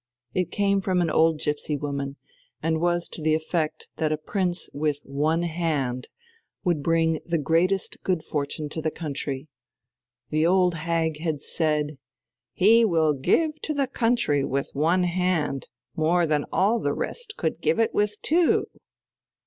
It came from an old gipsy woman, and was to the effect that a prince "with one hand" would bring the greatest good fortune to the country. The old hag had said: "He will give to the country with one hand more than all the rest could give it with two."